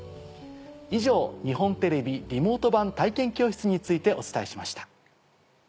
以上日本テレビリモート版体験教室についてお伝えしました。